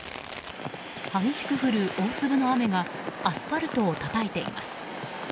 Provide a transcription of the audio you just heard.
激しく降る大粒の雨がアスファルトをたたいています。